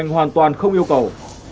hoàn toàn không yêu cầu